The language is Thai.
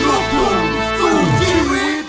อยากรักไม่ได้อยากเป็นชู้